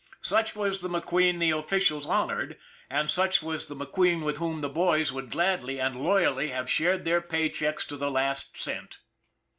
Such was the McQueen the officials honored, and such was the McQueen with whom the boys would gladly and loyally have shared their pay checks to the last cent.